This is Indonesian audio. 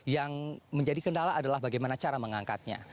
yang menjadi kendala adalah bagaimana cara mengangkatnya